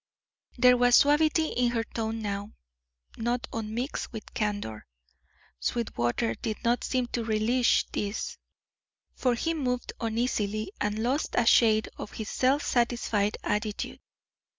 There was suavity in her tone now, not unmixed with candour. Sweetwater did not seem to relish this, for he moved uneasily and lost a shade of his self satisfied attitude.